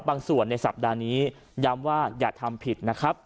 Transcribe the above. บางส่วนในสัปดาห์นี้ย้ำว่าอย่าทำผิดนะครับ